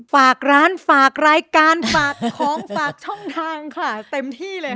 ฝากร้านฝากรายการฝากของฝากช่องทางค่ะเต็มที่เลยค่ะ